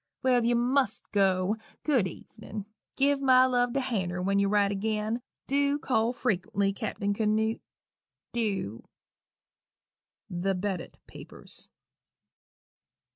Well, if you must go, good evenin'! Give my love to Hanner when you write agin dew call frequently, Cappen Canoot, dew." _The Bedott Papers.